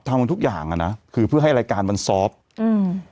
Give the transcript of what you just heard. ทำทุกอย่างอ่ะนะคือเพื่อให้รายการมันซอฟต์อืม